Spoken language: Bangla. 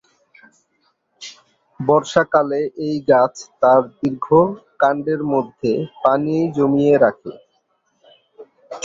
বর্ষাকালে এই গাছ তার দীর্ঘ কাণ্ডের মধ্যে পানি জমিয়ে রাখে।